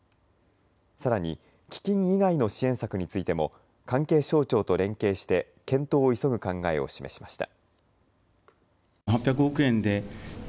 さらに基金以外の支援策についても関係省庁と連携して検討を急ぐ考えを示しました。